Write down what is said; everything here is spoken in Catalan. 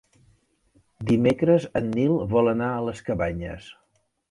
Dimecres en Nil vol anar a les Cabanyes.